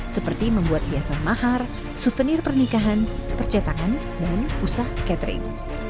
seperti membuat hiasan mahar suvenir pernikahan percetakan dan pusah catering